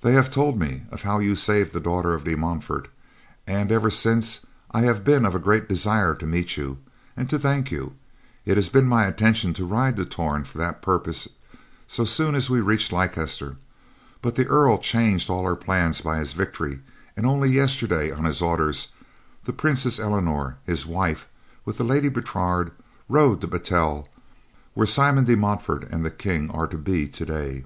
"They have told me of how you saved the daughter of De Montfort, and, ever since, I have been of a great desire to meet you, and to thank you. It had been my intention to ride to Torn for that purpose so soon as we reached Leicester, but the Earl changed all our plans by his victory and only yesterday, on his orders, the Princess Eleanor, his wife, with the Lady Bertrade, rode to Battel, where Simon de Montfort and the King are to be today.